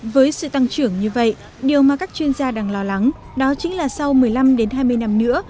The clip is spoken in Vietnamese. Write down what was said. với sự tăng trưởng như vậy điều mà các chuyên gia đang lo lắng đó chính là sau một mươi năm đến hai mươi năm nữa